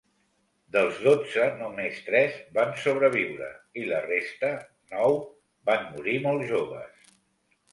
Dels dotze només tres van sobreviure, i la resta, nou, van morir molt joves.